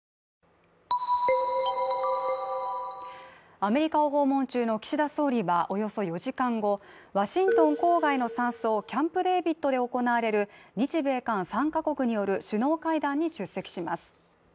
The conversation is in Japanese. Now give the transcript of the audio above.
アメリカを訪問中の岸田総理はおよそ４時間後ワシントン郊外の山荘キャンプデービッドで行われる日米韓３か国による首脳会談に出席します